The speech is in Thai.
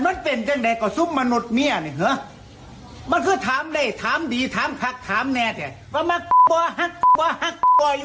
หลงหลักด้วยหลงหลักด้วย